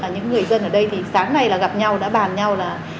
những người dân ở đây thì sáng nay là gặp nhau đã bàn nhau là